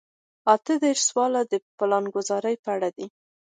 اته دېرشم سوال د پلانګذارۍ په اړه دی.